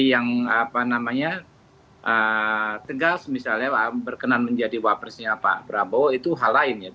yang apa namanya tegas misalnya berkenan menjadi wapresnya pak prabowo itu hal lain ya